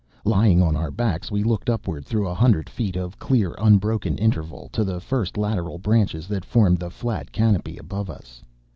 Lying on our backs, we looked upward through a hundred feet of clear, unbroken interval to the first lateral branches that formed the flat canopy above us.